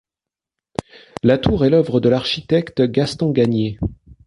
La tour est l'œuvre de l'architecte Gaston Gagnier.